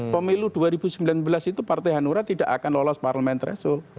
pemilu dua ribu sembilan belas itu partai hanura tidak akan lolos parlemen threshold